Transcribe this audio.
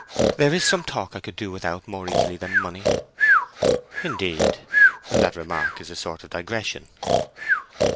"There is some talk I could do without more easily than money." "Indeed. That remark is a sort of digression."